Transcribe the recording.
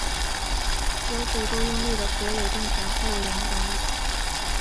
由北周拥立的傀儡政权后梁管理。